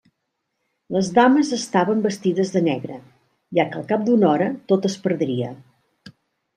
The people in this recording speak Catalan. Les dames estaven vestides de negre, ja que al cap d'una hora tot es perdria.